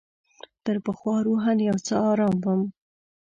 تر پخوا روحاً یو څه آرام وم.